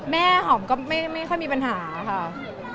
แม่หอมก็ไม่ค่อยมีปัญหาค่ะ